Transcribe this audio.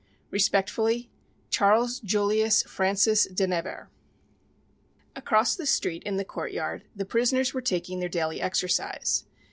Respectfully, CHARLES JULIUS FRANCIS DE NEVERS. Across the street in the courtyard the prisoners were taking their daily exercise.